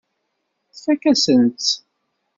Tfakk-asen-tt.